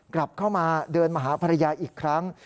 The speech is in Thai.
กลับเข้ามาเดินมาหาภรรยาอีกครั้ง